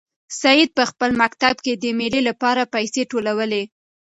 سعید په خپل مکتب کې د مېلې لپاره پیسې ټولولې.